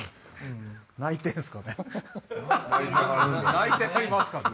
泣いてんすかね。